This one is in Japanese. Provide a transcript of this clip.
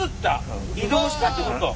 移動したってこと？